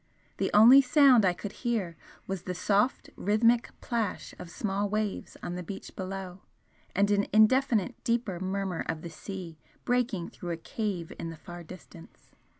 The only sound I could hear was the soft, rhythmic plash of small waves on the beach below, and an indefinite deeper murmur of the sea breaking through a cave in the far distance.